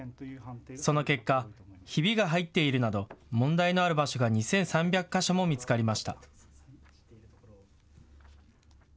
その結果、ひびが入っているなど問題のある場所が２３００か所も見つかりました。